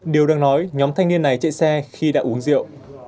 điều đang nói nhóm thanh niên này chạy xe khi đã uống rượu